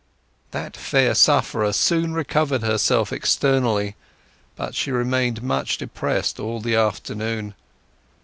That fair sufferer soon recovered herself externally; but she remained much depressed all the afternoon.